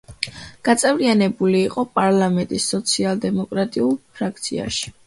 გაწევრიანებული იყო პარლამენტის სოციალ-დემოკრატიულ ფრაქციაში.